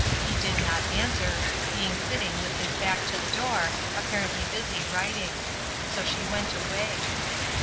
He did not answer, being sitting with his back to the door, apparently busy writing. So she went away.